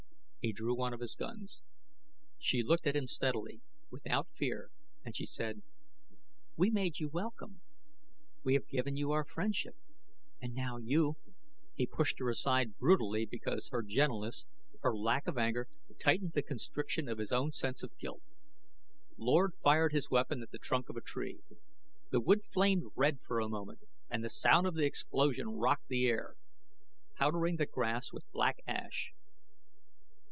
He drew one of his guns. She looked at him steadily, without fear, and she said, "We made you welcome; we have given you our friendship, and now you " He pushed her aside brutally because her gentleness, her lack of anger, tightened the constriction of his own sense of guilt. Lord fired his weapon at the trunk of a tree. The wood flamed red for a moment and the sound of the explosion rocked the air, powdering the grass with black ash.